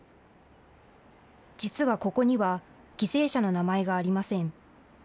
実はここには、犠牲者の名前がありません。